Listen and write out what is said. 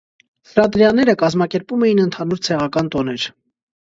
Ֆրատրիաները կազմակերպում էին ընդհանուր ցեղական տոներ։